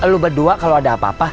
lu berdua kalau ada apa apa